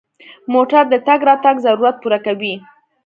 موټر د تګ راتګ ضرورت پوره کوي.